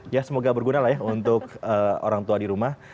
ya semoga berguna lah ya untuk orang tua di rumah